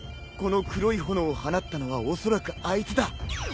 この黒い炎を放ったのはおそらくあいつだ。